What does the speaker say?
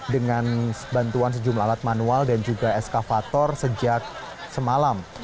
dengan bantuan sejumlah alat manual dan juga eskavator sejak semalam